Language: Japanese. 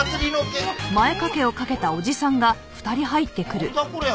なんだこりゃ。